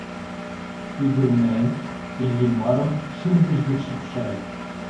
Пӱгырнен, Иллимарым шӱргыж гыч шупшале.